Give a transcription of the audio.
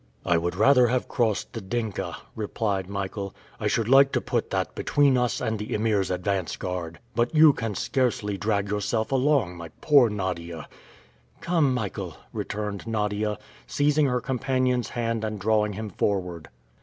"I would rather have crossed the Dinka," replied Michael, "I should like to put that between us and the Emir's advance guard. But you can scarcely drag yourself along, my poor Nadia!" "Come, Michael," returned Nadia, seizing her companion's hand and drawing him forward.